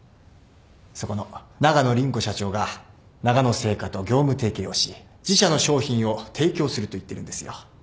そこの永野凛子社長がながの製菓と業務提携をし自社の商品を提供すると言ってるんですよ。